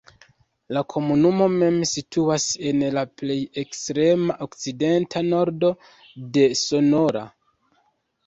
La komunumo mem situas en la plej ekstrema okcidenta nordo de Sonora.